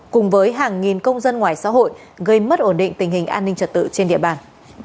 cùng với hàng nghìn công dân ngoài xã hội gây mất ổn định tình hình an ninh trật tự trên địa bàn